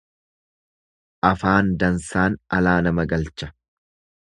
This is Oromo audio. Afaan dansaan alaa nama galcha.